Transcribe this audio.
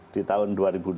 di tahun dua ribu dua puluh